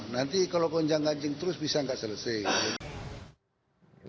nanti kalau gonjang ganjing terus bisa nggak selesai